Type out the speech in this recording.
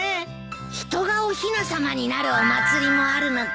人がおひなさまになるお祭りもあるのか。